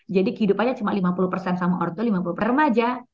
jadi kehidupannya cuma lima puluh sama orang tua lima puluh sama orang remaja